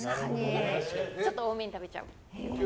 ちょっと多めに食べちゃう。